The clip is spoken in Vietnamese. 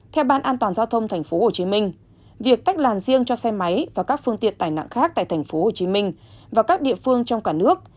theo ban an toàn giao thông tp hcm việc tách làn riêng cho xe máy và các phương tiện tài nạn khác tại tp hcm và các địa phương trong cả nước